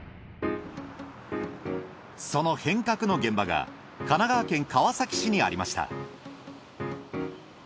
その変革の現場が神奈川県川崎市にありました。